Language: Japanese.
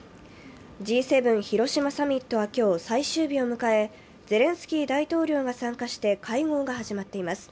Ｇ７広島サミットは今日、最終日を迎え、ゼレンスキー大統領が参加して会合が始まっています。